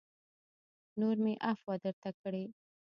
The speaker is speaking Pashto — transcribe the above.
نور مې عفوه درته کړې